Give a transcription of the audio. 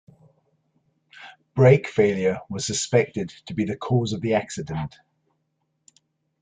Brake failure was suspected to be the cause of the accident.